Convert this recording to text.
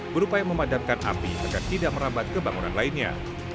berupaya memadamkan api agar tidak merambat kebangunan lainnya